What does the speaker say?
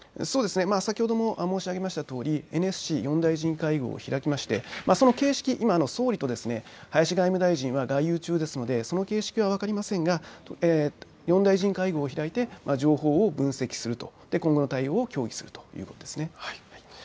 先ほども申し上げましたとおりＮＳＣ４大臣会合を開きましてその形式、今、総理と林外務大臣は外遊中ですのでその形式は分かりませんが４大臣会合を開いて情報を分析すると今後の対応を協議するということです。